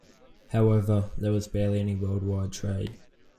However, there was barely any worldwide trade.